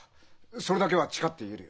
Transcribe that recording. それだけは誓って言えるよ。